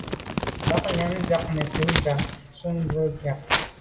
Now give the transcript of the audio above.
Ba nyàm diag nekeb ntsha ntùm bwôg miag.